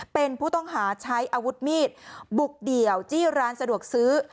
เป็นผู้ต้องหาใช้อาวุธมีดบุกเดี่ยวจี้ร้านสะดวกซื้อ